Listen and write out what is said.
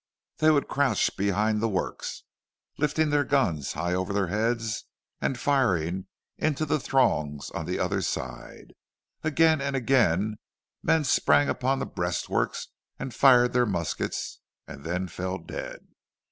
They would crouch behind the works, lifting their guns high over their heads, and firing into the throngs on the other side; again and again men sprang upon the breastworks and fired their muskets, and then fell dead.